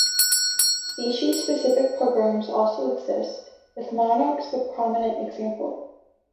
Species-specific programs also exist, with monarchs the prominent example.